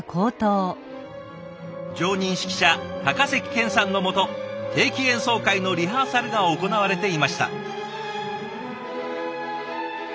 常任指揮者高関健さんのもと定期演奏会のリハーサルが行われていました。